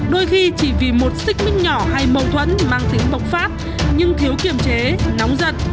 đôi khi chỉ vì một xích mít nhỏ hay mâu thuẫn mang tính bộc phát nhưng thiếu kiềm chế nóng giận